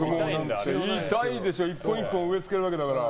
痛いでしょ１本１本植えつけるわけだから。